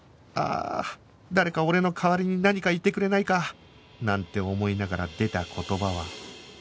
ああ誰か俺の代わりに何か言ってくれないか！なんて思いながら出た言葉は